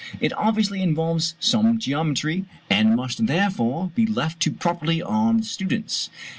It obviously involves some geometry, and must therefore be left to properly armed students.